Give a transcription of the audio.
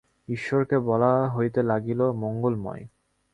ঈশ্বরকে বলা হইতে লাগিল মঙ্গলময়।